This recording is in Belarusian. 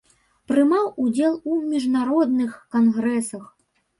Прымаў удзел і ў міжнародных кангрэсах.